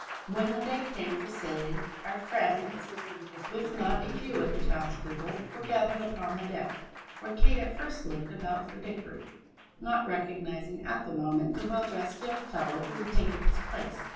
When the day came for sailing, our friends, with not a few of the townspeople, were gathered upon the deck, where Kate at first looked about for Dickory, not recognising at the moment the well dressed young fellow who had taken his place.